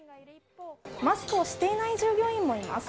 マスクをしていない従業員もいます。